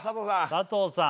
佐藤さん